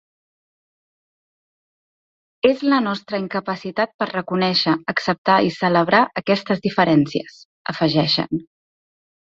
És la nostra incapacitat per reconèixer, acceptar i celebrar aquestes diferències, afegeixen.